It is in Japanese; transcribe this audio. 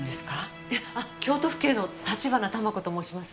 いえ京都府警の橘珠子と申します。